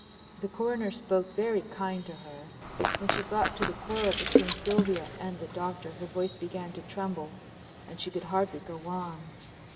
The Coroner spoke very kind to her. When she got to the quarrel between Sylvia and the Doctor her voice began to tremble and she could hardly go on.